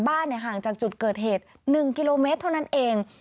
ห่างจากจุดเกิดเหตุ๑กิโลเมตรเท่านั้นเอง